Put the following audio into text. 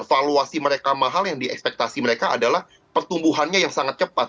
valuasi mereka mahal yang diekspektasi mereka adalah pertumbuhannya yang sangat cepat